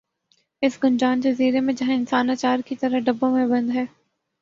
اس گنجان جزیر ے میں جہاں انسان اچار کی طرح ڈبوں میں بند ہے